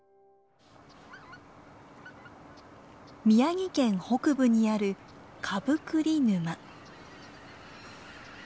宮城県北部にある蕪栗沼。